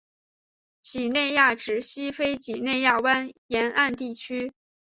几内亚指西非几内亚湾沿岸地区。